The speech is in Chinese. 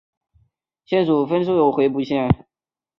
县境分属鄞县和回浦县。